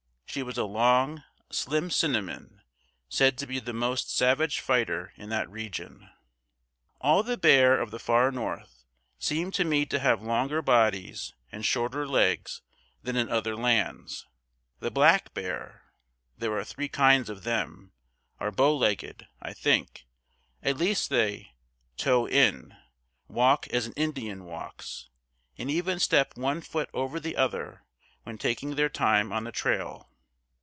She was a long, slim cinnamon, said to be the most savage fighter in that region. All the bear of the far north seem to me to have longer bodies and shorter legs than in other lands. The black bear (there are three kinds of them) are bow legged, I think; at least they "toe in," walk as an Indian walks, and even step one foot over the other when taking their time on the trail.